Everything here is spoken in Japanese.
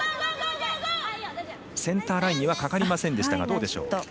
センターラインにはかかりませんでしたがどうでしょう？